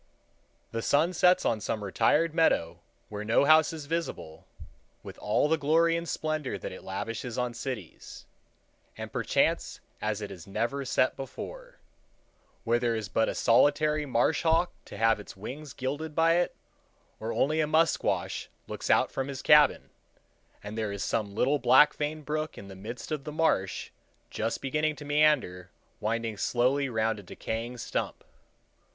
The sun sets on some retired meadow, where no house is visible, with all the glory and splendor that it lavishes on cities, and perchance as it has never set before,—where there is but a solitary marsh hawk to have his wings gilded by it, or only a musquash looks out from his cabin, and there is some little black veined brook in the midst of the marsh, just beginning to meander, winding slowly round a decaying stump.